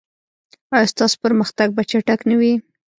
ایا ستاسو پرمختګ به چټک نه وي؟